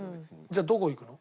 じゃあどこいくの？